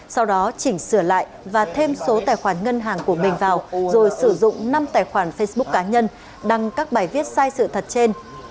sau đó chỉnh sửa lại và thêm số tài khoản ngân hàng của mình vào rồi sử dụng năm tài khoản facebook cá nhân đăng các bài viết sai sự thật trên